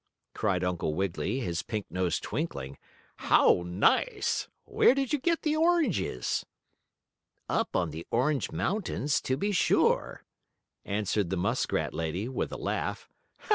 cried Uncle Wiggily, his pink nose twinkling. "How nice! Where did you get the oranges?" "Up on the Orange Mountains, to be sure," answered the muskrat lady, with a laugh.